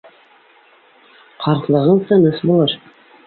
Ҡартлығың тыныс булыр.